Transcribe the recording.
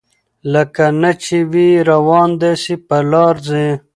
لکه نه چي وي روان داسي پر لار ځي